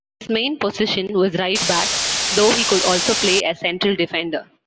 His main position was right-back, though he could also play as central defender.